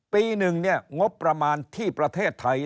ปีหนึ่งงบประมาณที่ประเทศไทย